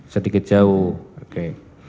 sedikit jauh oke